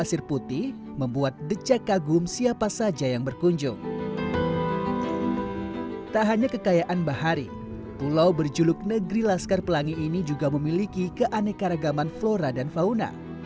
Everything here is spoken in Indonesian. itu yang menyebabkan pendangkalan